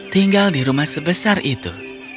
tinggal di rumah sebesar itu